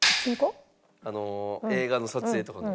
あの映画の撮影とかの？